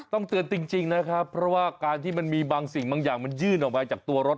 เตือนจริงนะครับเพราะว่าการที่มันมีบางสิ่งบางอย่างมันยื่นออกมาจากตัวรถ